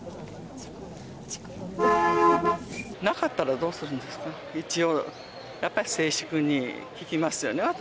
なかったらどうするんですか一応やっぱり静粛に聴きますよね